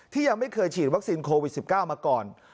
ยังไม่เคยฉีดวัคซีนโควิด๑๙มาก่อน